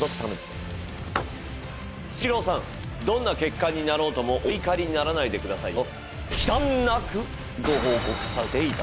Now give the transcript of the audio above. スシローさんどんな結果になろうともお怒りにならないでくださいよ。